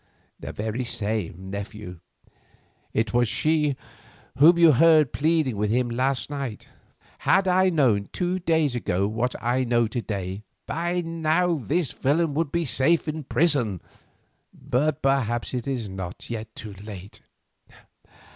"The very same, nephew. It was she whom you heard pleading with him last night. Had I known two days ago what I know to day, by now this villain had been safe in prison. But perhaps it is not yet too late.